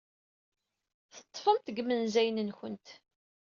Teḍḍfemt deg yimenzayen-nwent.